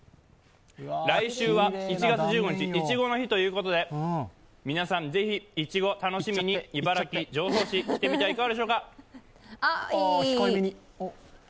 来週は１月１５日、いちごの日ということで皆さん、ぜひ、いちごを楽しみに茨城県常総市、来てみてはいかがでしょうか。